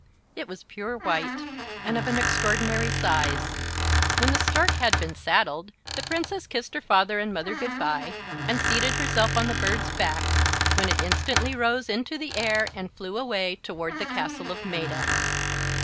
It was pure white, and of an extraordinary size. When the Stork had been saddled the Princess kissed her father and mother good by and seated herself on the bird's back, when it instantly rose into the air and flew away toward the castle of Maetta.